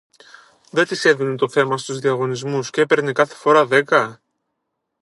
δεν της έδινε το θέμα στους διαγωνισμούς κ’ έπαιρνε κάθε φορά δέκα;